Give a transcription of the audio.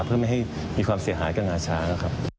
เพื่อไม่ให้มีความเสียหายกับงาช้างครับ